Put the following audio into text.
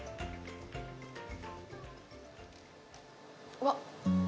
うわっ。